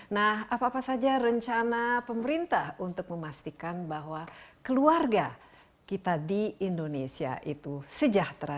nah apa apa saja rencana pemerintah untuk memastikan bahwa keluarga kita di indonesia itu sejahtera